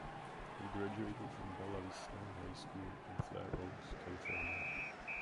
He graduated from Bella Vista High School in Fair Oaks, California.